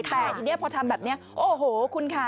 แต่ทีนี้พอทำแบบนี้โอ้โหคุณค่ะ